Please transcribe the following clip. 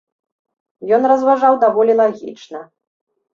Ён разважаў даволі лагічна.